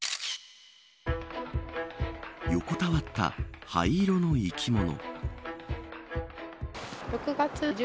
横たわった灰色の生き物。